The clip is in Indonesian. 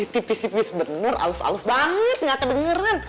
tipis tipis bener halus alus banget gak kedengeran